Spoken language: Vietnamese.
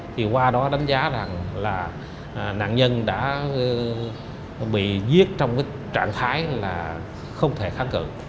thì qua đó đánh giá rằng là nạn nhân đã bị giết trong trạng thái là không thể kháng cự